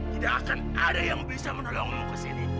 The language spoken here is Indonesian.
tidak akan ada yang bisa menolongmu ke sini